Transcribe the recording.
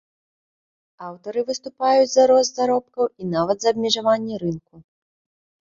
Аўтары выступаюць за рост заробкаў, і нават за абмежаванне рынку.